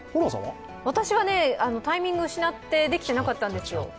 私はタイミング失ってできてなかったんですよ。